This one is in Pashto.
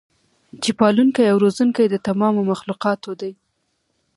چې پالونکی او روزونکی د تمامو مخلوقاتو دی